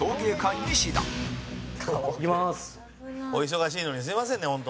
山崎：お忙しいのにすみませんね、本当。